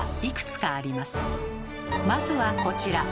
まずはこちら。